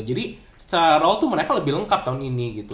jadi secara role tuh mereka lebih lengkap tahun ini gitu